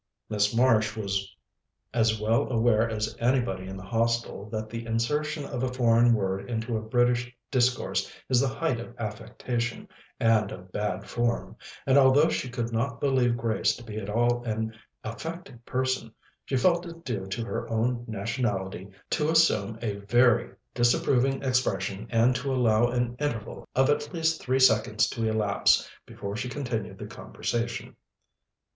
Miss Marsh was as well aware as anybody in the Hostel that the insertion of a foreign word into a British discourse is the height of affectation and of bad form; and although she could not believe Grace to be at all an affected person, she felt it due to her own nationality to assume a very disapproving expression and to allow an interval of at least three seconds to elapse before she continued the conversation.